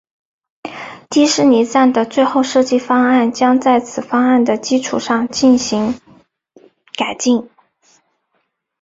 迪士尼站的最后设计方案将在此方案的基础上进行改进。